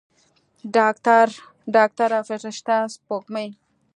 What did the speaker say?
ډاکتره فرشته سپوږمۍ.